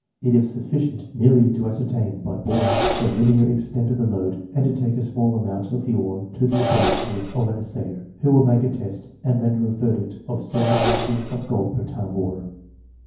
It is sufficient merely to ascertain by borings the linear extent of the lode and to take a small amount of the ore to the laboratory of an assayer, who will make a test and render a verdict of so many ounces of gold per ton of ore.